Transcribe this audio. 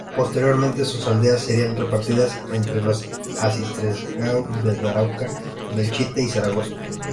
Posteriormente, sus aldeas serían repartidas entre los Arciprestazgos de Daroca, Belchite, y Zaragoza.